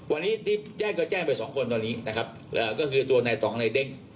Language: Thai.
วันนี้ที่แจ้งก็แจ้งไปสองคนตอนนี้นะครับก็คือตัวในต่องในเด้ง